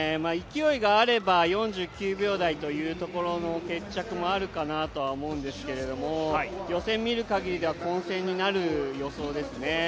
勢いがあれば４９秒台の決着もあるかなと思うんですけど予選見るかぎりでは混戦になる予想ですね。